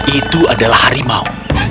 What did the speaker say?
itu adalah harimau